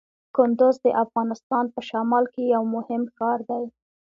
کندز د افغانستان په شمال کې یو مهم ښار دی.